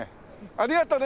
ありがとね！